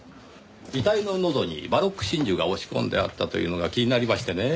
遺体の喉にバロック真珠が押し込んであったというのが気になりましてねぇ。